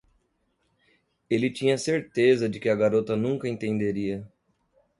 Ele tinha certeza de que a garota nunca entenderia.